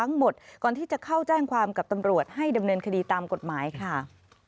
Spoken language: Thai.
ก่อนที่จะเข้าแจ้งความกับตำรวจให้ดำเนินคดีตามกฎหมายค่ะ